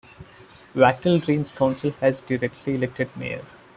Wattle Range Council has a directly-elected Mayor.